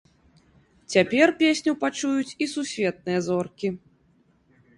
Цяпер песню пачуюць і сусветныя зоркі!